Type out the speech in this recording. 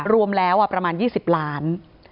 รวมแล้วประมาณยี่สิบล้าน